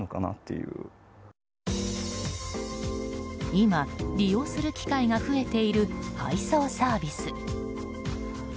今、利用する機会が増えている配送サービス。